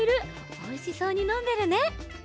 おいしそうにのんでるね！